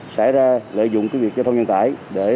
xảy ra lợi dụng các việc giao thông nhân tải